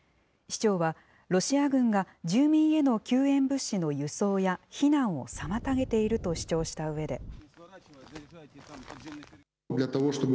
市長は、ロシア軍が住民への救援物資の輸送や避難を妨げていると主張したうえで。